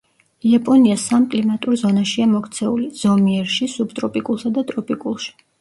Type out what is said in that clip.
იაპონია სამ კლიმატურ ზონაშია მოქცეული: ზომიერში, სუბტროპიკულსა და ტროპიკულში.